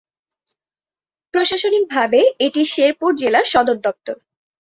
প্রশাসনিকভাবে এটি শেরপুর জেলার সদরদপ্তর।